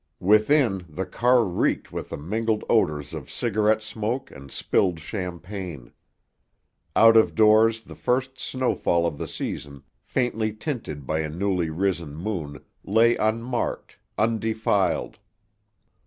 Within, the car reeked with the mingled odours of cigarette smoke and spilled champagne. Out of doors the first snowfall of the season, faintly tinted by a newly risen moon, lay unmarked, undefiled.